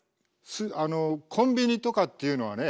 あのコンビニとかっていうのはね